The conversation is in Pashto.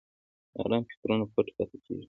ارام فکرونه پټ پاتې کېږي.